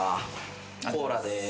コーラでーす。